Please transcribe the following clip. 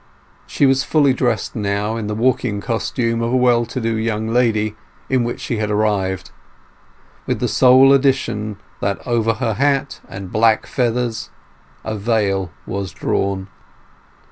She was fully dressed now in the walking costume of a well to do young lady in which she had arrived, with the sole addition that over her hat and black feathers a veil was drawn.